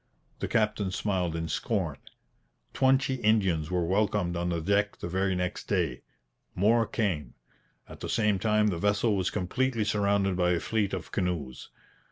The captain smiled in scorn. Twenty Indians were welcomed on the deck the very next day. More came. At the same time the vessel was completely surrounded by a fleet of canoes.